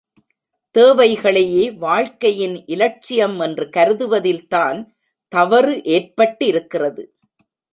தேவைகளையே வாழ்க்கையின் இலட்சியம் என்று கருதுவதில் தான் தவறு ஏற்பட்டிருக்கிறது.